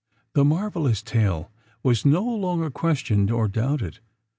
The marvellous tale was no longer questioned, or doubted.